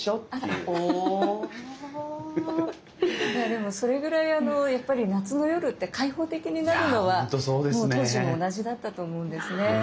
でもそれぐらいやっぱり夏の夜って開放的になるのはもう当時も同じだったと思うんですね。